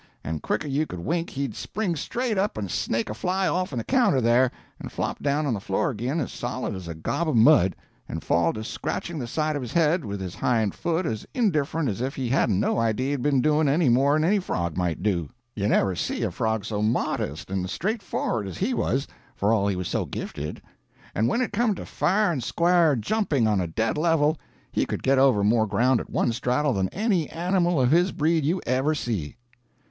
and quicker'n you could wink he'd spring straight up and snake a fly off'n the counter there, and flop down on the floor ag'in as solid as a gob of mud, and fall to scratching the side of his head with his hind foot as indifferent as if he hadn't no idea he'd been doin' any more'n any frog might do. You never see a frog so modest and straightfor'ard as he was, for all he was so gifted. And when it come to fair and square jumping on a dead level, he could get over more ground at one straddle than any animal of his breed you ever see.